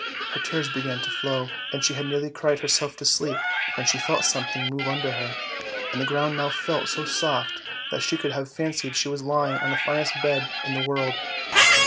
Her tears began to flow, and she had nearly cried herself to sleep, when she felt something moving under her, and the ground now felt so soft that she could have fancied she was lying on the finest bed in the world.